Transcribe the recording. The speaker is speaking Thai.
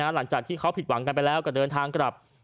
หลังจากที่เขาผิดหวังกันไปแล้วก็เดินทางกลับ